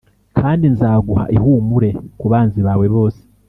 kandi nzaguha ihumure ku banzi bawe bose.